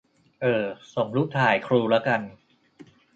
เอ่อส่งรูปถ่ายครูละกัน !